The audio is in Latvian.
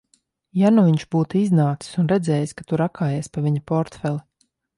Ja nu viņš būtu iznācis un redzējis, ka tu rakājies pa viņa portfeli?